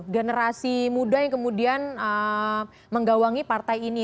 generasi muda yang kemudian menggawangi partai ini